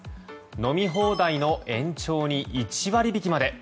飲み放題の延長に１割引きまで。